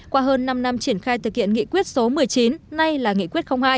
qua hơn năm năm triển khai thực hiện nghị quyết số một mươi chín nay là nghị quyết hai